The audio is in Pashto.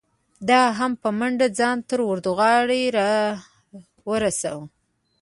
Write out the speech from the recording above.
ده هم په منډه ځان تر وردغاړې را ورسو.